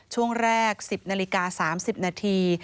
ช่วงแรก๑๐นาฬิกา๓๐นาที